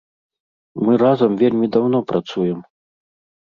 Мы разам вельмі даўно працуем.